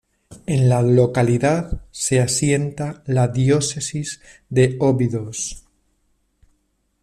En la localidad se asienta la Diócesis de Óbidos.